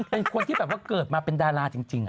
เป็นคนที่แบบว่าเกิดมาเป็นดาราจริง